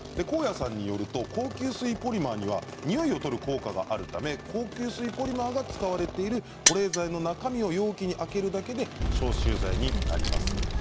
甲谷さんによると高吸水ポリマーにはにおいを取る効果があるため高吸水ポリマーが使われている保冷剤の中身を容器に空けるだけで消臭剤になります。